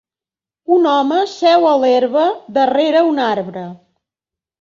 Un home seu a l'herba darrer un arbre.